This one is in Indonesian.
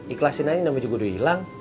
ikhlasin aja namanya juga udah hilang